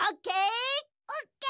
オッケー。